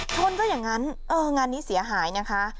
ชนจ้อยอย่างงั้นงานนี้เสียหายนะคะ